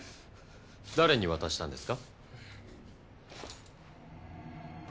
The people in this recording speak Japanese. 誰に渡したんですか？